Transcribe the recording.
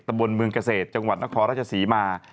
บนเมืองเกษตรจังหวัดนครราชศรีมา